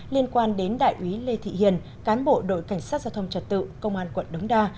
liên quan đến đại úy lê thị hiền cán bộ đội cảnh sát giao thông trật tự công an quận đống đa